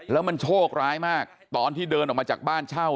แล้วมันโชคร้ายมากตอนที่เดินออกมาจากบ้านเช่า